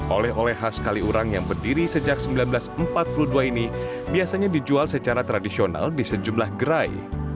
oleh oleh khas kaliurang yang berdiri sejak seribu sembilan ratus empat puluh dua ini biasanya dijual secara tradisional di sejumlah gerai